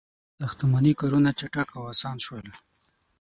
• ساختماني کارونه چټک او آسان شول.